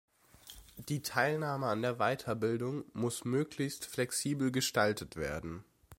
Die Teilnahme an der Weiterbildung muss möglichst flexibel gestaltet werden.